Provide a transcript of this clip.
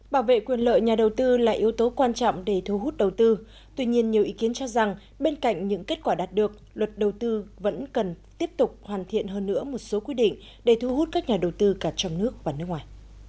bảo vệ quyền lợi nhà đầu tư là yếu tố quan trọng để thu hút đầu tư tuy nhiên nhiều ý kiến cho rằng bên cạnh những kết quả đạt được luật đầu tư vẫn cần tiếp tục hoàn thiện hơn nữa một số quy định để thu hút các nhà đầu tư cả trong nước và nước ngoài